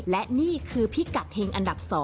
และนี่คือพิกัดเฮงอันดับ๒